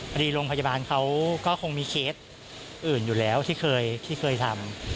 โรงพยาบาลเขาก็คงมีเคสอื่นอยู่แล้วที่เคยทำ